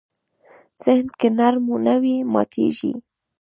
ذهن که نرم نه وي، ماتېږي.